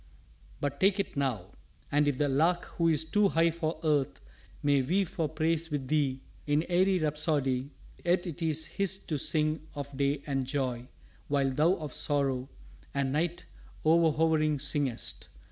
3 But take it now. And if the lark who is Too high for earth may vie for praise with thee In aery rhapsody, yet it is his To sing of day and joy, while thou of sorrow And night o'erhovering singest.